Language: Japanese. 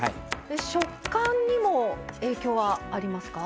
食感にも影響はありますか？